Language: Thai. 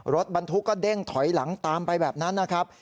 รถบรรทุกก็เด้งถอยหลังตามไปแบบนั้นนะครับ